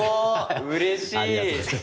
うれしい！